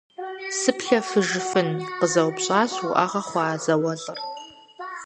- Сыплъэфыжыфын? – къызэупщӀащ уӏэгъэ хъуа зауэлӏыр.